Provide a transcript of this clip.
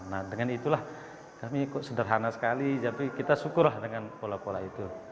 nah dengan itulah kami ikut sederhana sekali tapi kita syukurlah dengan pola pola itu